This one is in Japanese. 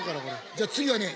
じゃあ次はね